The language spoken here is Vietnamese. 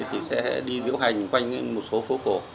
thì sẽ đi diễu hành quanh một số phố cổ